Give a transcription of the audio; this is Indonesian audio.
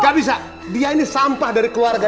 gak bisa dia ini sampah dari keluarga